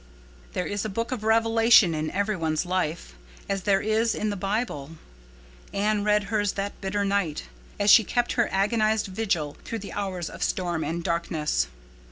There is a book of Revelation in every one's life, as there is in the Bible. Anne read hers that bitter night, as she kept her agonized vigil through the hours of storm and darkness.